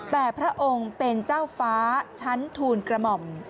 แต่พระองค์เป็นเจ้าฟ้าชั้นทูลกระหม่อม